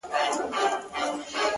هغه مئین خپل هر ناهیلي پل ته رنگ ورکوي؛